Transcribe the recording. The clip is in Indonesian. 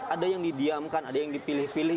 ada yang didiamkan ada yang dipilih pilih